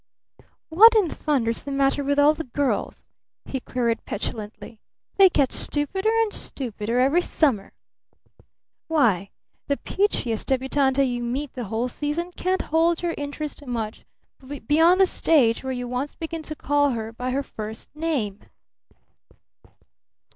What in thunder's the matter with all the girls?" he queried petulantly. "They get stupider and stupider every summer! Why, the peachiest débutante you meet the whole season can't hold your interest much beyond the stage where you once begin to call her by her first name!"